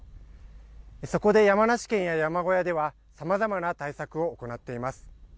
そこで山梨県や山小屋では、さまざまな対策を行っています。